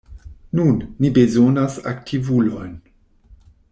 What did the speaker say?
Nun, ni bezonas aktivulojn!